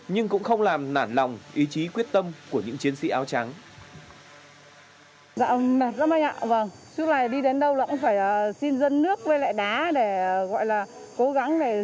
nhưng cũng không làm nản lòng ý chí quyết tâm của những chiến sĩ áo trắng